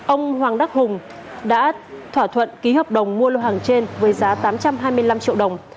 ông hoàng đắc hùng đã thỏa thuận ký hợp đồng mua lô hàng trên với giá tám trăm hai mươi năm triệu đồng